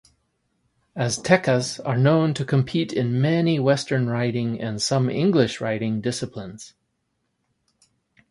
Aztecas are known to compete in many western riding and some English riding disciplines.